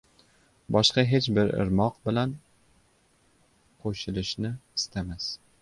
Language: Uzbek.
Boshqa hech bir irmoq bilan qoʻshilishni istamas